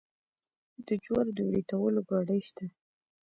د جوارو د وریتولو ګاډۍ شته.